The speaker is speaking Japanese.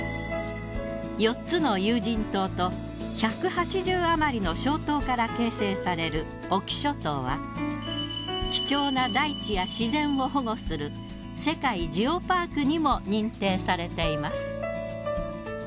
４つの有人島と１８０あまりの小島から形成される隠岐諸島は貴重な大地や自然を保護する世界ジオパークにも認定されています。